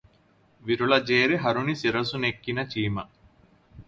విరుల జేరి హరుని శిరసు నెక్కిన చీమ